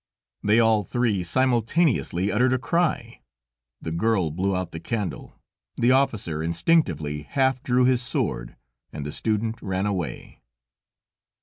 They all three simultaneously uttered a cry; the girl blew out the candle, the officer instinctively half drew his sword, and the student ran away.